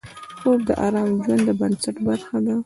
خوب د آرام د ژوند د بنسټ برخه ده